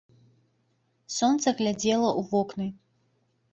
Сонца глядзела ў вокны.